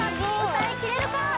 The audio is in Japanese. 歌いきれるか？